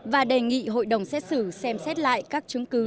và đề nghị hội đồng xét xử xem xét lại các chứng cứ